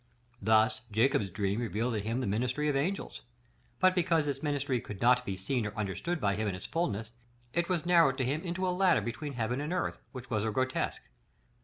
Thus, Jacob's dream revealed to him the ministry of angels; but because this ministry could not be seen or understood by him in its fulness, it was narrowed to him into a ladder between heaven and earth, which was a grotesque.